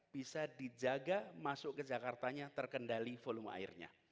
bisa dijaga masuk ke jakartanya terkendali volume airnya